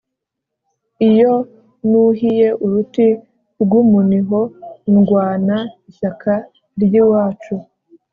iyo nuhiye uruti rw’umuniho ndwana ishyaka ry’iwacu